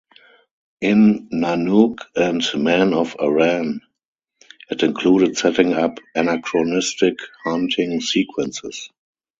In "Nanook" and "Man of Aran", it included setting up anachronistic hunting sequences.